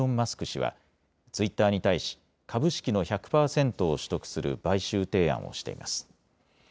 氏はツイッターに対し株式の１００％を取得する買収提案をしています。